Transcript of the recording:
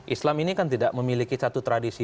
islam ini kan tidak memiliki satu tradisi